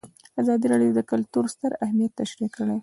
ازادي راډیو د کلتور ستر اهميت تشریح کړی.